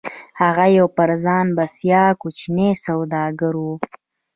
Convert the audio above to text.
هغه يو پر ځان بسيا کوچنی سوداګر و.